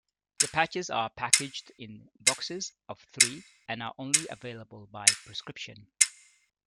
The patches are packaged in boxes of three and are only available by prescription.